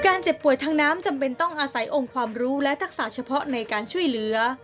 เจ็บป่วยทางน้ำจำเป็นต้องอาศัยองค์ความรู้และทักษะเฉพาะในการช่วยเหลือ